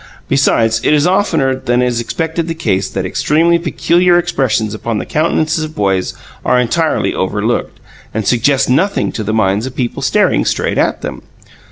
Besides, it is oftener than is expected the case that extremely peculiar expressions upon the countenances of boys are entirely overlooked, and suggest nothing to the minds of people staring straight at them.